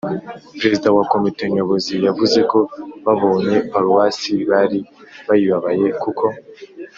prezida wa komite nyobozi yavuze ko babonye paruwasi bari bayibabaye kuko